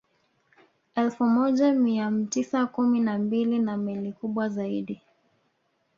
Elfu moja mia mtisa kumi na mbili na meli kubwa zaidi